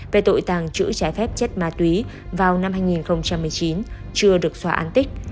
về tội tàng trữ trái phép chất ma túy vào năm hai nghìn một mươi chín chưa được xóa an tích